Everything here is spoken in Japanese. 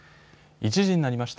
１時になりました。